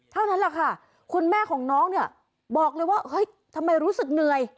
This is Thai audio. เท่านั้นล่ะค่ะคุณแม่ของน้องบอกเลยว่าทำไมรู้สึกเหนื่อย